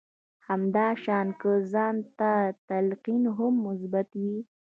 همدا شان که ځان ته تلقين هم مثبت وي.